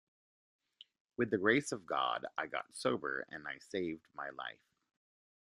With the grace of God, I got sober and I saved my life.